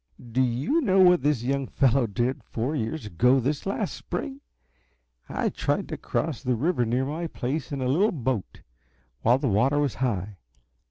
"Do you know what this young fellow did, four years ago this last spring? I tried to cross the river near my place in a little boat, while the water was high.